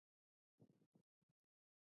موږ غواړو خپله اخلاقي دنده ثابته کړو.